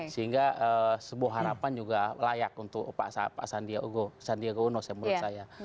sehingga sebuah harapan juga layak untuk pak sandiaga uno menurut saya